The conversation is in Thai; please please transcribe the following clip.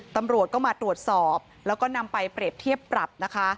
ตำรวจก็มาตรวจสอบแล้วก็นำไปเปรียบเทียบปรับนะคะ